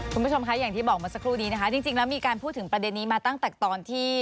คุณผู้ชมคะอย่างที่บอกเมื่อสักครู่นี้นะคะจริงแล้วมีการพูดถึงประเด็นนี้มาตั้งแต่ตอนที่